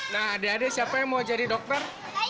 nah adik adik siapa yang mau jadi dokter